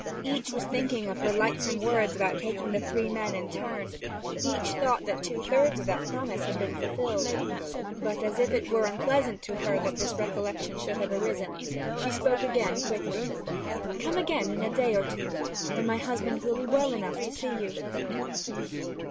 Each was thinking of her lightsome words about taking the three men in turn; each thought that two thirds of that promise had been fulfilled. But, as if it were unpleasant to her that this recollection should have arisen, she spoke again quickly: 'Come again in a day or two, when my husband will be well enough to see you.'